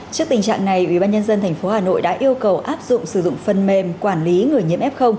trước tình trạng này ubnd tp hà nội đã yêu cầu áp dụng sử dụng phần mềm quản lý người nhiễm f